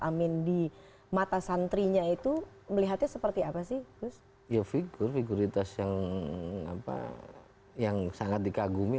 amin di mata santrinya itu melihatnya seperti apa sih ya figur figuritas yang apa yang sangat dikagumi